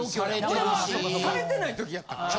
俺はされてない時やったからね。